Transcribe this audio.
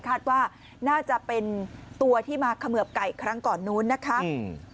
คาดว่าน่าจะเป็นตัวที่มาเขมือบไก่ครั้งก่อนนู้นนะคะอืม